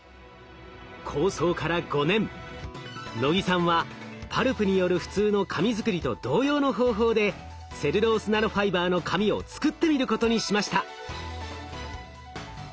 能木さんはパルプによる普通の紙作りと同様の方法でセルロースナノファイバーの紙を作ってみることにしました。